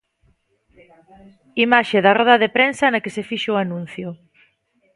Imaxe da roda de prensa na que se fixo o anuncio.